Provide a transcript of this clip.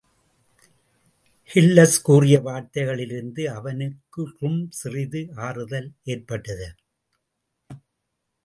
Hillis கூறிய வார்த்தைகளிலிருந்து அவனுக்ரும் சிறிது ஆறுதல் ஏற்பட்டது.